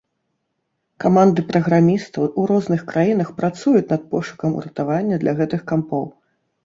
Каманды праграмістаў у розных краінах працуюць над пошукам уратавання для гэтых кампоў.